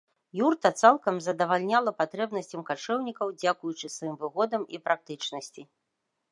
Юрта цалкам задавальняла патрэбнасцям качэўнікаў дзякуючы сваім выгодам і практычнасці.